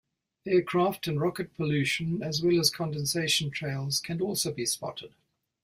Aircraft and rocket pollution, as well as condensation trails, can also be spotted.